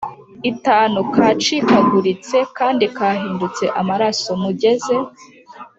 itanu kacikaguritse kandi kahindutse amaraso. Mugeze